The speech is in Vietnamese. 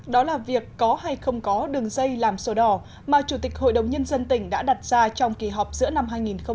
đó là việc có hay không có đường dây làm sổ đỏ mà chủ tịch hội đồng nhân dân tỉnh đã đặt ra trong kỳ họp giữa năm hai nghìn một mươi chín